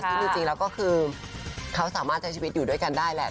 ซึ่งจริงแล้วก็คือเขาสามารถใช้ชีวิตอยู่ด้วยกันได้แหละ